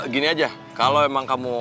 gini aja kalau emang kamu